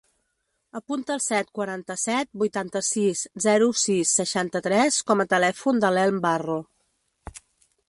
Apunta el set, quaranta-set, vuitanta-sis, zero, sis, seixanta-tres com a telèfon de l'Elm Barro.